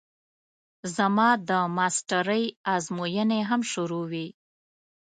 زما د ماسټرۍ ازموينې هم شروع وې.